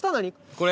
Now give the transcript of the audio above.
これ？